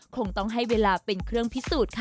คงต้องให้เวลาเป็นเครื่องพิสูจน์ค่ะ